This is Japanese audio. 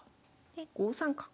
で５三角。